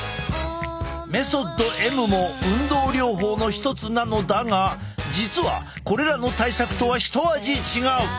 メソッドＭも運動療法の一つなのだが実はこれらの対策とは一味違う！